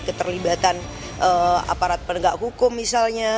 keterlibatan aparat penegak hukum misalnya